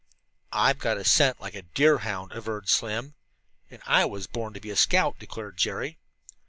"I've got a scent like a deerhound," averred Slim. "And I was born to be a scout," declared Jerry.